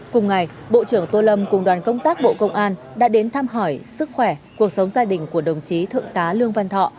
cùng ngày bộ trưởng tô lâm cùng đoàn công tác bộ công an đã đến thăm hỏi sức khỏe cuộc sống gia đình của đồng chí thượng tá lương văn thọ